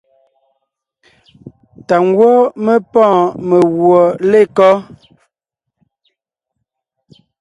Tà ngwɔ́ mé pɔ́ɔn meguɔ lekɔ́?